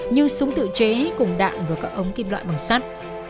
như súng tự chế cùng đạn và các ống kim loại bằng sắt